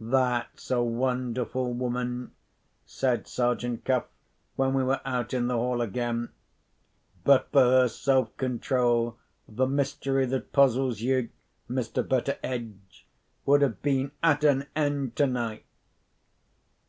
"That's a wonderful woman," said Sergeant Cuff, when we were out in the hall again. "But for her self control, the mystery that puzzles you, Mr. Betteredge, would have been at an end tonight."